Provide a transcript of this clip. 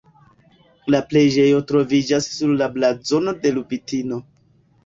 La preĝejo troviĝas sur la blazono de Lubitino.